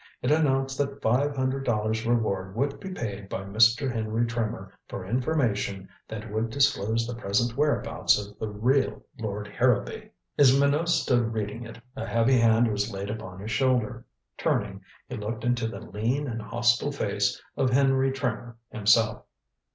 It announced that five hundred dollars reward would be paid by Mr. Henry Trimmer for information that would disclose the present whereabouts of the real Lord Harrowby. As Minot stood reading it, a heavy hand was laid upon his shoulder. Turning, he looked into the lean and hostile face of Henry Trimmer himself.